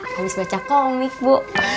habis baca komik bu